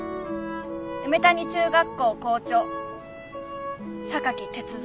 梅谷中学校校長榊徹三」。